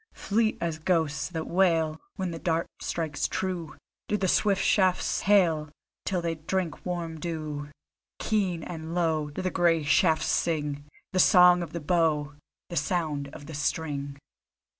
Fleet as ghosts that wail, When the dart strikes true, Do the swift shafts hail, Till they drink warm dew. Keen and low Do the grey shafts sing The Song of the Bow, The sound of the string.